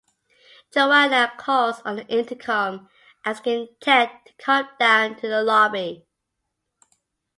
Joanna calls on the intercom, asking Ted to come down to the lobby.